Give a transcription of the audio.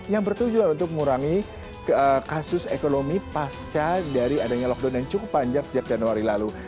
yang bertujuan untuk mengurangi kasus ekonomi pasca dari adanya lockdown yang cukup panjang sejak januari lalu